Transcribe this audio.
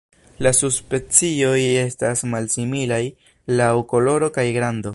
La subspecioj estas malsimilaj laŭ koloro kaj grando.